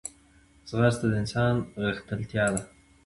ځغاسته د ځان غښتلتیا ده